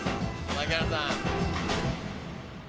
槙原さん。